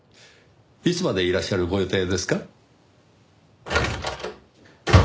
いつまでいらっしゃるご予定ですか？